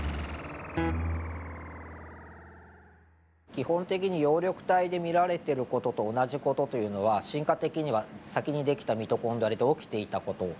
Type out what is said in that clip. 基本的に葉緑体で見られてる事と同じ事というのは進化的には先に出来たミトコンドリアと起きていた事。